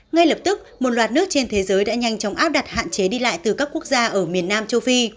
ngay lập tức một loạt nước trên thế giới đã nhanh chóng áp đặt hạn chế đi lại từ các quốc gia ở miền nam châu phi